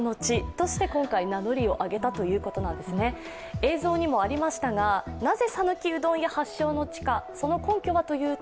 映像にもありましたがなぜさぬきうどん屋発祥の地か、その根拠はというと、